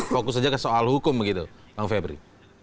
fokus saja ke soal hukum begitu bang febri